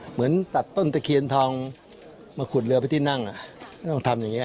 เหมือนตัดต้นตะเคียนทองมาขุดเรือไปที่นั่งต้องทำอย่างนี้